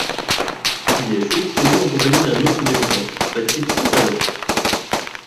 Il est sélectionné en compagnie d'un autre débutant, Patrick Topaloff.